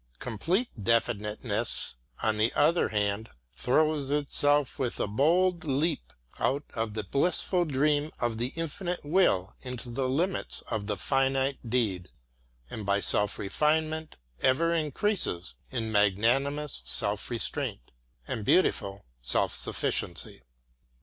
Complete Definiteness, on the other hand, throws itself with a bold leap out of the blissful dream of the infinite will into the limits of the finite deed, and by self refinement ever increases in magnanimous self restraint and beautiful self sufficiency.